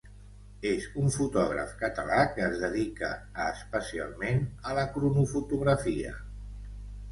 És un fotògraf català que es dedica a especialment a la cronofotografia.